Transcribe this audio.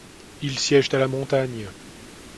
Ils siègent à la Montagne.